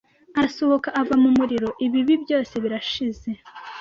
arasohoka ava mu muriro ibibi byose birashize